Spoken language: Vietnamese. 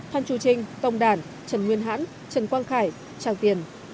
phan chu trinh tông đản trần nguyên hãn trần quang khải tràng tiền